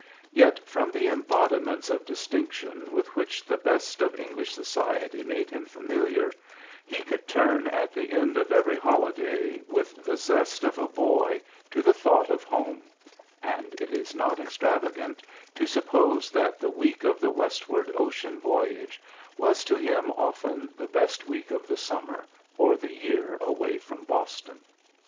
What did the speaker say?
Yet from the embodi ments of distinction with which the best of English society made him familiar, he could turn at the end of every holi day with the zest of a boy to the thought of home j and it is not extravagant to suppose that the week of the westward ocean voyage was to him often the best week of the summer or the year away from Boston.